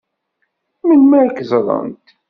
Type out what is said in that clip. Melmi ad k-ẓṛent?